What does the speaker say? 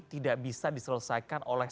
tidak bisa diselesaikan oleh